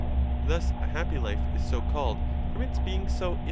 Thus a happy life is so called from its being so in.